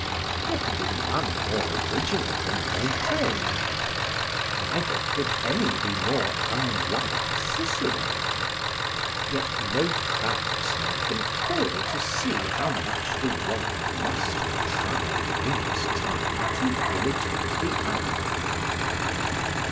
There can be none more original than Montaigne, neither could any be more unlike Cicero; yet no craftsman can fail to see how much the one must have tried in his time to imitate the other.